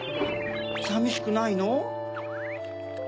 さみしくないの？